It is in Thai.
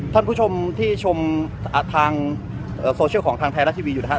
ท่านผู้ชมที่ชมอาท๓๙ของทางไทยและทีวีอยู่นะครับ